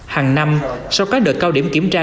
hằng năm sau các đợt cao điểm kiểm tra